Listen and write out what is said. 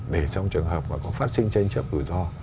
để trong trường hợp mà có phát sinh tranh chấp tự do